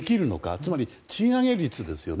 つまり、賃上げ率ですよね。